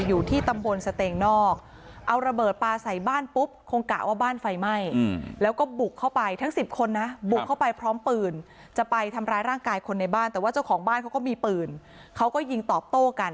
อยู่ที่ตำบลเสตงนอก